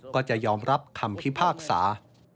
ก็จะยอมรับคำพิพากษา